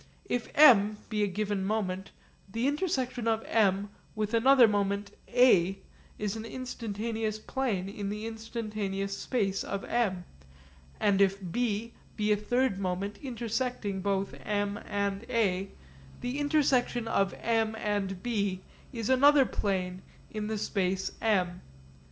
If M be a given moment, the intersection of M with another moment A is an instantaneous plane in the instantaneous space of M; and if B be a third moment intersecting both M and A, the intersection of M and B is another plane in the space M.